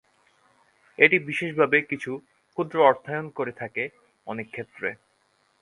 এটি বিশেষভাবে কিছু ক্ষুদ্র অর্থায়ন করে থাকে অনেক ক্ষেত্রে।